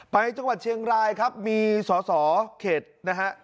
จังหวัดเชียงรายครับมีสอสอเขตนะฮะ